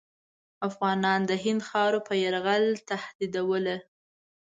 افغانانو د هند خاوره په یرغل تهدیدوله.